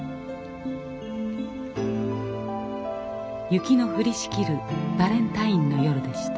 雪の降りしきるバレンタインの夜でした。